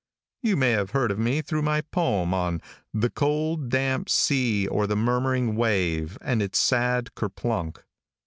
You may have heard of me through my poem on "The Cold, Damp Sea or the Murmuring Wave and its Sad Kerplunk."